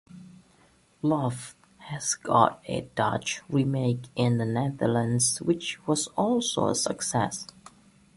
Loft has got a Dutch remake in the Netherlands which was also a success.